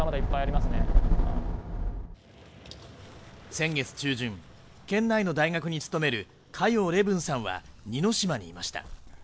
先月中旬、県内の大学に勤める嘉陽礼文さんは似島にいました。